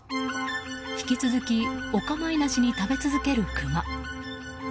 引き続きお構いなしに食べ続けるクマ。